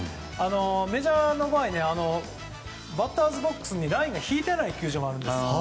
メジャーの場合バッターズボックスにラインが引いてない球場があるんですよ。